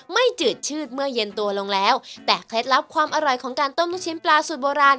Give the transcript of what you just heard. จืดชืดเมื่อเย็นตัวลงแล้วแต่เคล็ดลับความอร่อยของการต้มลูกชิ้นปลาสูตรโบราณ